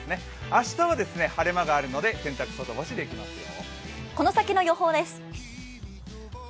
明日は晴れ間があるので洗濯、外干しできますよ。